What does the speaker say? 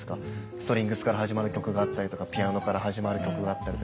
ストリングスから始まる曲があったりとかピアノから始まる曲があったりで。